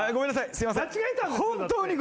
すいません。